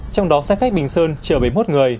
trong đó xe khách bình sơn chở bảy mươi một người